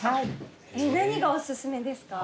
何がお薦めですか？